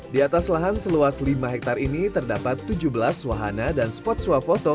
di atas lahan seluas lima hektare ini terdapat tujuh belas wahana dan spot swafoto